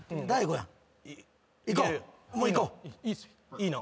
いいの？